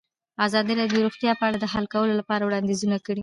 ازادي راډیو د روغتیا په اړه د حل کولو لپاره وړاندیزونه کړي.